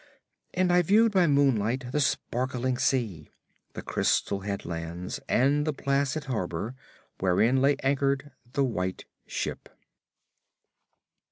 And I viewed by moonlight the sparkling sea, the crystal headlands, and the placid harbor wherein lay anchored the White Ship.